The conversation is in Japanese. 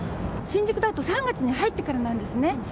新宿だと、３月に入ってからなんですね。